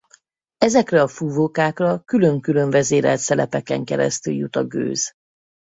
Ezekre a fúvókákra külön-külön vezérelt szelepeken keresztül jut a gőz.